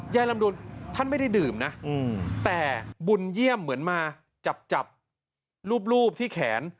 ลำดวนท่านไม่ได้ดื่มนะแต่บุญเยี่ยมเหมือนมาจับจับรูปที่แขน